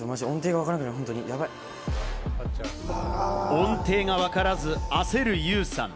音程がわからず焦るユウさん。